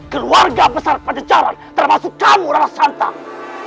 keluarga besar pancacaran termasuk kamu rana santang